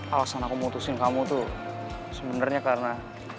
alasan aku memutusin kamu itu sebenarnya karena